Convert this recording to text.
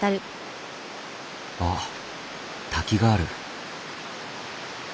あっ滝がある。